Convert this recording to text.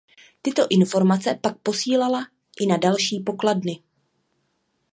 Tyto informace pak posílala i na další pokladny.